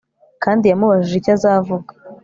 Kandi yamubajije icyo azavuga